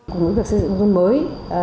cùng với việc xây dựng nông thôn mới